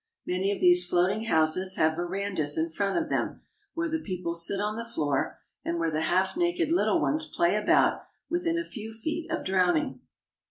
Many of these floating houses have verandas in front of them, where the people sit on the floor and where the half naked little ones play about within a few feet of drowning.